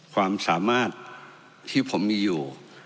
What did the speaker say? ความสามารถที่ผมมีอยู่